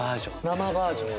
生バージョン。